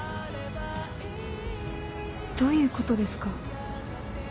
どういう事ですか？